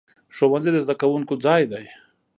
ښوونځی د زده کوونکو ځای دی.